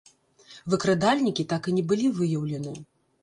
Выкрадальнікі так і не былі выяўлены.